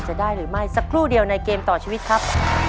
จะได้หรือไม่สักครู่เดียวในเกมต่อชีวิตครับ